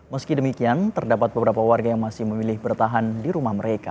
meski demikian terdapat beberapa warga yang masih memilih bertahan di rumah mereka